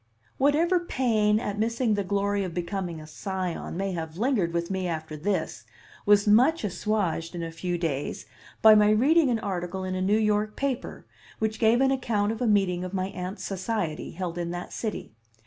Whatever pain at missing the glory of becoming a Scion may have lingered with me after this was much assuaged in a few days by my reading an article in a New York paper, which gave an account of a meeting of my Aunt's Society, held in that city.